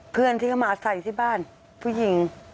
เพื่อนที่เขามาอาศัยที่บ้านผู้หญิง